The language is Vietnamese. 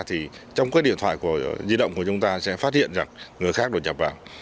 thì trong cái điện thoại di động của chúng ta sẽ phát hiện rằng người khác đột nhập vào